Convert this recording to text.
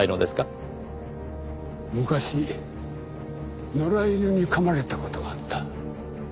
昔野良犬に噛まれた事があった。